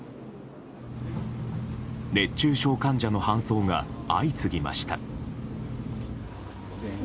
熱中症患者の搬送が相次ぎました。